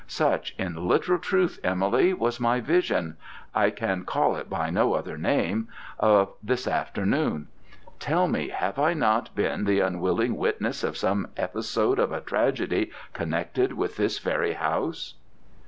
Such, in literal truth, Emily, was my vision I can call it by no other name of this afternoon. Tell me, have I not been the unwilling witness of some episode of a tragedy connected with this very house?"